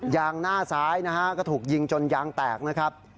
หน้าซ้ายนะฮะก็ถูกยิงจนยางแตกนะครับ